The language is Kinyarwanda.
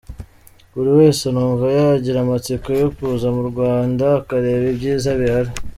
Buri wese numva yagira amatsiko yo kuza mu Rwanda akareba ibyiza bihari.